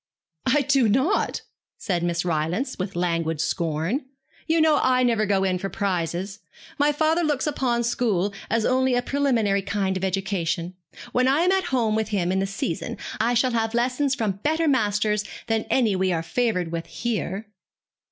'I do not,' said Miss Rylance, with languid scorn. 'You know I never go in for prizes. My father looks upon school as only a preliminary kind of education. When I am at home with him in the season I shall have lessons from better masters than any we are favoured with here.'